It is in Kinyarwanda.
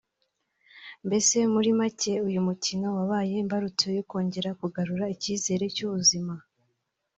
Mbese muri make uyu mukino wabaye imbarutso yo kongera kugarura icyizere cy’ubuzima